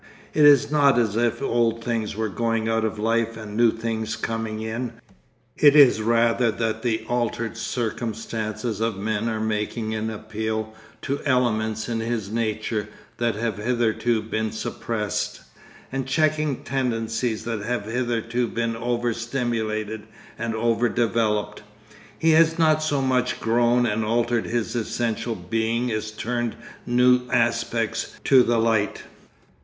It is not as if old things were going out of life and new things coming in, it is rather that the altered circumstances of men are making an appeal to elements in his nature that have hitherto been suppressed, and checking tendencies that have hitherto been over stimulated and over developed. He has not so much grown and altered his essential being as turned new aspects to the light.